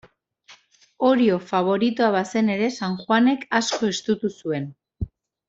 Orio faboritoa bazen ere San Juanek asko estutu zuen.